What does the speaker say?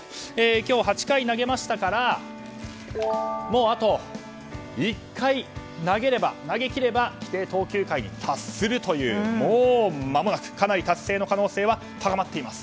今日８回投げましたからもうあと１回投げ切れば規定投球回に達するという、もうまもなく達成の可能性は高まっています。